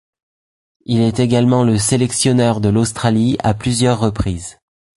Il est également le sélectionneur de l'Australie à plusieurs reprises.